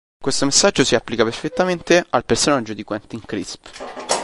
Questo messaggio si applica perfettamente al personaggio di Quentin Crisp.